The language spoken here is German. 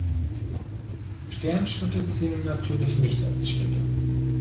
Sternschritte zählen natürlich nicht als Schritte.